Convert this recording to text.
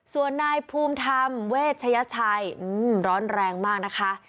ส่วนนายภูมิธรรมเวชยชัยร้อนแรงมากนะคะ